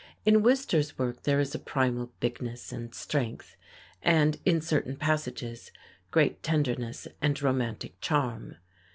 In Wister's work there is a primal bigness and strength and, in certain passages, great tenderness and romantic charm.